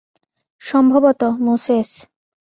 সম্ভবত, মোসেস।